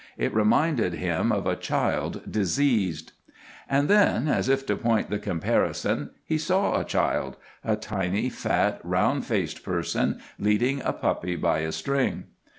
It reminded him of a child diseased. And then, as if to point the comparison, he saw a child, a tiny, fat, round faced person leading a puppy by a string.